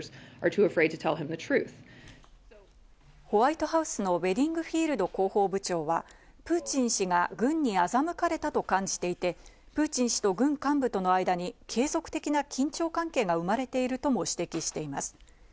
ホワイトハウスのベディングフィールド広報部長はプーチン氏が軍に欺かれたと感じていて、プーチン氏と軍幹部との間に継続的な緊張関係が生まれているとも指摘しています。